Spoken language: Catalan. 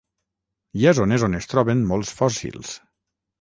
Hi ha zones on es troben molts fòssils.